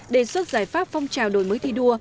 đề xuất giải pháp phong trào đổi mới thi đua